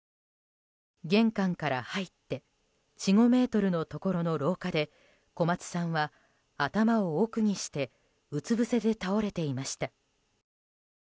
玄関から入って４５ｍのところの廊下で小松さんは頭を奥にしてうつぶせで倒れていました。